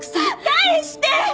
返して！